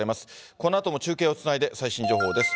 このあとも中継をつないで最新情報です。